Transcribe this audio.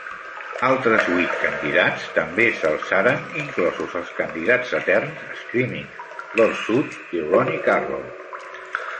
Altres huit candidats també s'alçaren, inclosos els candidats eterns Screaming Lord Sutch i Ronnie Carroll.